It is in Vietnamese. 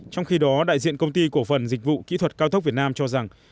trong khi đó đại diện công ty cổ phần dịch vụ kỹ thuật cao tốc việt nam cho rằng